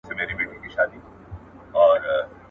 پر کرنگ نيمه دانه هم ډېره ده.